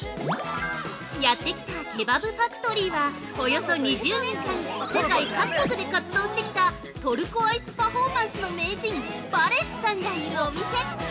◆やって来たケバブファクトリーはおよそ２０年間、世界各国で活動してきたトルコアイスパフォーマンスの名人、バレシさんがいるお店。